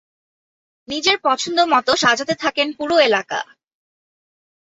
নিজের পছন্দ মতো সাজাতে থাকেন পুরো এলাকা।